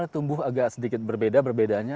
tumbuh agak sedikit berbeda berbedanya